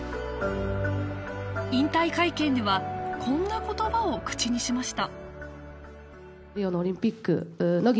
引退会見ではこんな言葉を口にしました